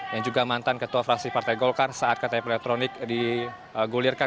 yang juga mantan ketua fraksi partai golkar saat ktp elektronik digulirkan